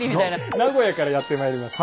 名古屋からやってまいりました